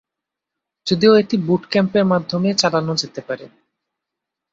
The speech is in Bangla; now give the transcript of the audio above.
যদিও এটি বুট ক্যাম্পের মাধ্যমে চালানো যেতে পারে।